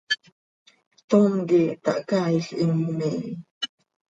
Tom quih tahcaail, him miih.